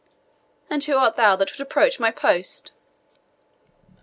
"And who art thou that would approach my post?"